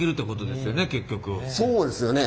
そうですよね。